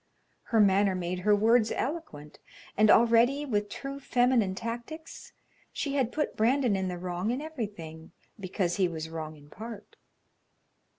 Her manner made her words eloquent, and already, with true feminine tactics, she had put Brandon in the wrong in everything because he was wrong in part.